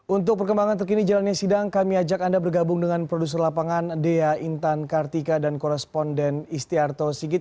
untuk perkembangan terkini jalannya sidang kami ajak anda bergabung dengan produser lapangan dea intan kartika dan koresponden istiarto sigit